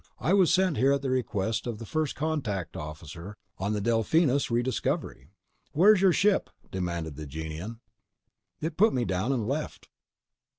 I was sent here at the request of the First Contact officer on the Delphinus Rediscovery." "Where is your ship?" demanded the Gienahn. "It put me down and left."